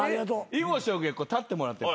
囲碁将棋は立ってもらって。